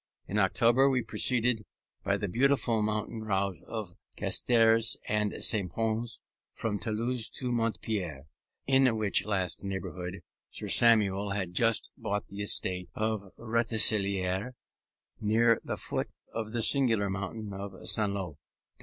In October we proceeded by the beautiful mountain route of Castres and St. Pons, from Toulouse to Montpellier, in which last neighbourhood Sir Samuel had just bought the estate of Restinclière, near the foot of the singular mountain of St. Loup.